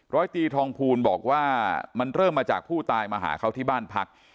ร้อยตีทองภูลบอกว่ามันเริ่มมาจากผู้ตายมาหาเขาที่บ้านพัก